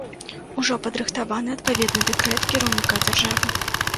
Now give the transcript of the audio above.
Ужо падрыхтаваны адпаведны дэкрэт кіраўніка дзяржавы.